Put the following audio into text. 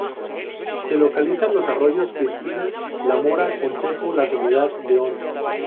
Se localizan los arroyos Cristina, La Mora, Consejo, La Soledad, León.